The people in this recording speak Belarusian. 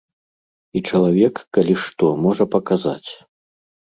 І чалавек, калі што, можа паказаць.